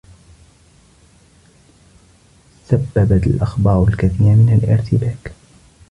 سببت الأخبار الكثير من الارتباك.